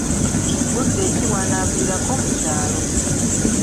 Budde ki bw'anaaviirako mu kyalo?